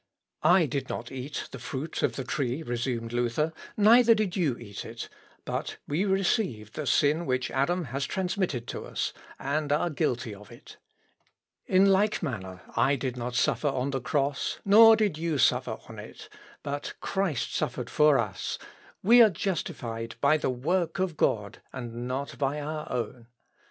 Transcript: ] "I did not eat the fruit of the tree," resumed Luther; "neither did you eat it; but we received the sin which Adam has transmitted to us, and are guilty of it. In like manner, I did not suffer on the cross, nor did you suffer on it; but Christ suffered for us; we are justified by the work of God, and not by our own....